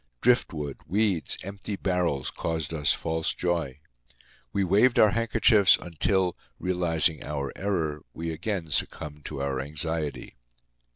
Driftwood, weeds, empty barrels caused us false joy. We waved our handkerchiefs until, realizing our error, we again succumbed to our anxiety.